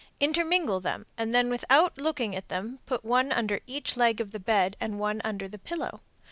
Intermingle them, and then without looking at them put one under each leg of the bed and one under the pillow.